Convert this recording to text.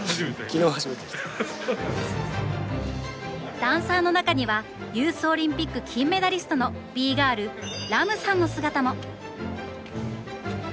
ダンサーの中にはユースオリンピック金メダリストのＢ−ＧｉｒｌＲＡＭさんの姿も。